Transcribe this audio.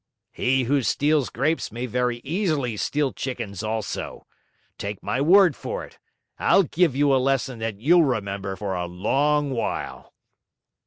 "He who steals grapes may very easily steal chickens also. Take my word for it, I'll give you a lesson that you'll remember for a long while."